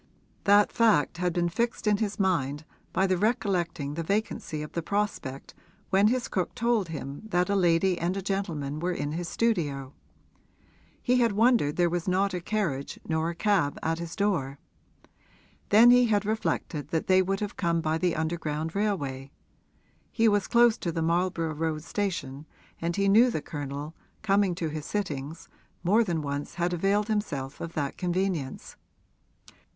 That fact had been fixed in his mind by his recollecting the vacancy of the prospect when his cook told him that a lady and a gentleman were in his studio: he had wondered there was not a carriage nor a cab at his door. Then he had reflected that they would have come by the underground railway; he was close to the Marlborough Road station and he knew the Colonel, coming to his sittings, more than once had availed himself of that convenience.